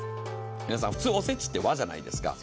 皆さん、普通おせちって和じゃないですか。